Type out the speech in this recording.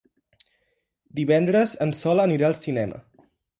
Divendres en Sol anirà al cinema.